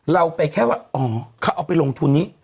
เราไปแค่ว่าอ๋อเขาเอาไปลงทุนนี้